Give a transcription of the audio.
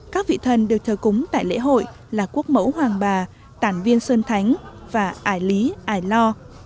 các vị thần được thờ cúng tại lễ hội là quốc mẫu hoàng bà tản viên sơn thánh và ải lý ải lo